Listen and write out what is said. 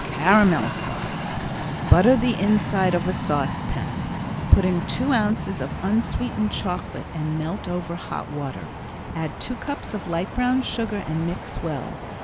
Caramel Sauce Butter the inside of a saucepan. Put in two ounces of unsweetened chocolate and melt over hot water. Add two cups of light brown sugar and mix well.